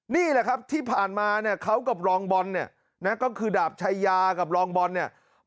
นี่แหละครับที่ผ่านมาเนี่ยเขากับรองบอลเนี่ยนะก็คือดาบชายากับรองบอลเนี่ย